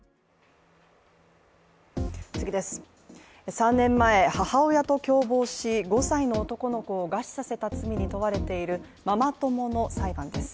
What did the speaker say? ３年前、母親と共謀し５歳の男の子を餓死させた罪に問われているママ友の裁判です。